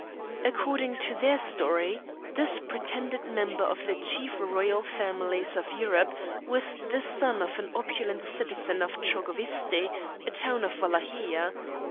According to their story, this pretended member of the chief royal families of Europe was the son of an opulent citizen of Trogovisti, a town of Wallachia.